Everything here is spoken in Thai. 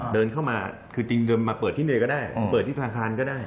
เดินเข้ามาคือจริงจนมาเปิดที่เนยก็ได้เปิดที่ธนาคารก็ได้